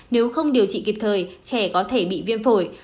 nếu không điều trị kịp thời trẻ có thể bị viêm phổi